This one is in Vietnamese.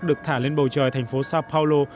được thả lên bầu trời thành phố sao paulo